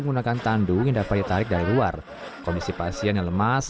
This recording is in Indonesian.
menggunakan tandung yang dapat ditarik dari luar kondisi pasien yang lemas